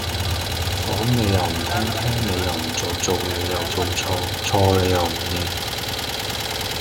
講你又唔聽聽你又唔做做你又做錯錯你又唔認